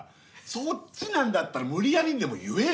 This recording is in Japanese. そっちなんだったら無理やりにでも言えよ！